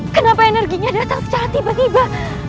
kenapa energinya datang saat tiba tiba